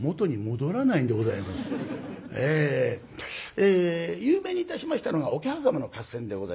え有名にいたしましたのが桶狭間の合戦でございました。